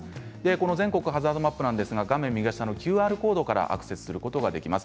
この全国ハザードマップ画面右下のＱＲコードからアクセスすることができます。